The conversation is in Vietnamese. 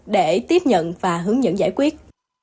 để tiếp nhận và hướng dẫn giải quyết